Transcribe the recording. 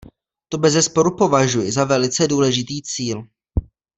To bezesporu považuji za velice důležitý cíl.